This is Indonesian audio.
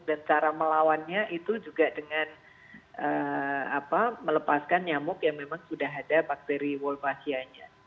dan cara melawannya itu juga dengan melepaskan nyamuk yang memang sudah ada bakteri wolbachianya